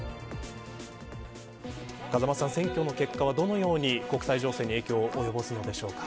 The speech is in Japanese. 風間さん選挙の結果はどのように国際情勢に影響を及ぼすのでしょうか。